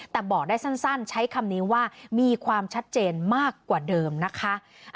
แต่บอกได้สั้นใช้คำนี้ว่ามีความชัดเจนมากกว่าเดิมนะคะ